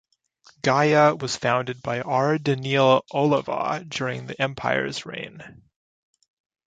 Gaia was founded by R. Daneel Olivaw during the Empire's reign.